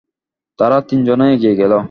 তারা তিন জনই এগিয়ে গেল।